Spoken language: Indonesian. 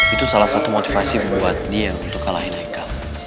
itu salah satu motivasi buat dia untuk kalahin eka